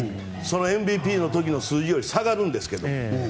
そのＭＶＰの時の数字より下がるんですけど。